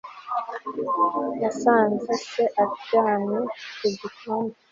yasanze se aryamye mu gikoni